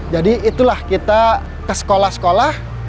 jadi itulah kita ke sekolah sekolah